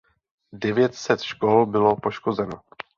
Devět set škol bylo poškozeno.